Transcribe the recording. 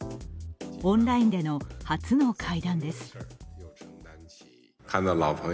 オンラインでの初の会談です。